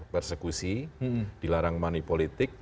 persekusi dilarang manipolitik